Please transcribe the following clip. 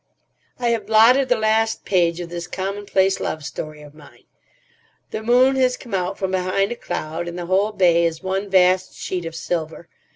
I have blotted the last page of this commonplace love story of mine. The moon has come out from behind a cloud, and the whole bay is one vast sheet of silver.